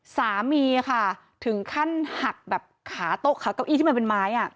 สามีค่ะถึงขั้นหักแบบขาโต๊ะขาเก้าอี้ที่มันเป็นไม้